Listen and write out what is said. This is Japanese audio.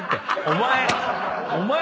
お前。